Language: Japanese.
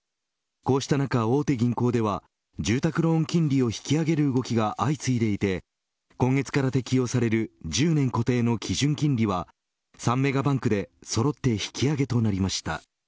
こうした中、大手銀行では住宅ローン金利を引き上げる動きが相次いでいて今月から適用される１０年固定の基準金利は３メガバンクでそろって引き上げとなりました。